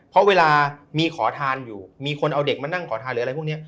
เพราะเวลามีขอทานอยู่มีคนเอาเด็กมานั่งขอทานหรืออะไรพวกนี้